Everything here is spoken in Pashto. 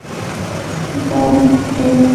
بند کړ